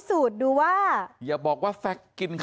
และก็คือว่าถึงแม้วันนี้จะพบรอยเท้าเสียแป้งจริงไหม